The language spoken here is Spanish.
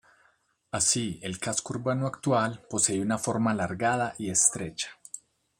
Así, el casco urbano actual posee una forma alargada y estrecha.